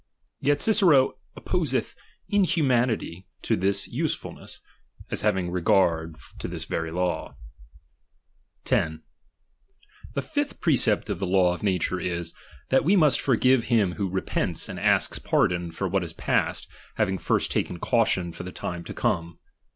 Yet Cicero oppo seth inhumanity to this usefulness, as having re gard to this very law. LIBERTY. 37 flO. The fifth precept of the law of nature is, chap, i that we must forgive him who repents and ashs ThTfiftT^ pardon for what is past, having first taken cau~ of nawre, o tlonfor the time to come.